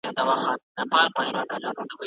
موږ بايد خپل عزت په خپل لاس وساتو.